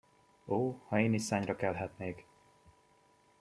Ó, ha én is szárnyra kelhetnék!